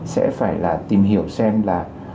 sẽ phải tìm hiểu xem là